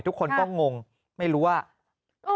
ทุกคนก็งงไม่รู้ว่า